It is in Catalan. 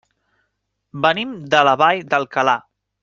Venim de la Vall d'Alcalà.